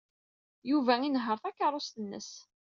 Yuba inehheṛ takeṛṛust-nnes.